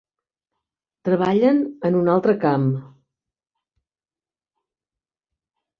Treballen en un altre camp.